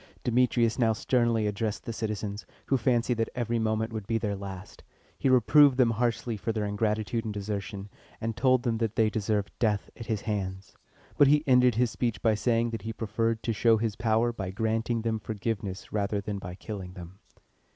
Demetrius now sternly addressed the citizens, who fancied that every moment would be their last. He reproved them harshly for their ingratitude and desertion, and told them that they deserved death at his hands; but he ended his speech by saying that he preferred to show his power by granting them forgiveness rather than by killing them.